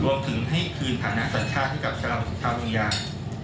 รวมถึงให้คืนฐานะสัญชาติให้กับชาวเมืองยา